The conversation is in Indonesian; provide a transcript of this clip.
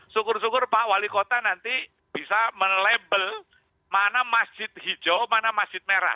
syukur syukur pak wali kota nanti bisa melabel mana masjid hijau mana masjid merah